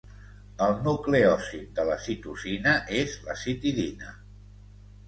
El nucleòsid de la citosina és la citidina.